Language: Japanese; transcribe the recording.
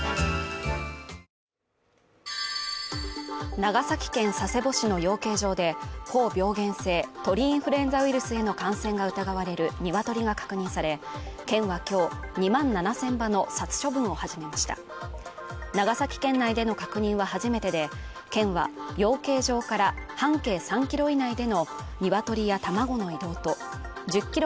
長崎県佐世保市の養鶏場で高病原性鳥インフルエンザウイルスへの感染が疑われるニワトリが確認され県は今日２万７０００羽の殺処分を始めました長崎県内での確認は初めてで県は養鶏場から半径３キロ以内でのニワトリや卵の移動と１０キロ